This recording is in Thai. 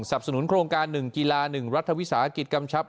สับสนุนโครงการหนึ่งกีฬาหนึ่งรัฐวิสาหกิจกรรมชัพท์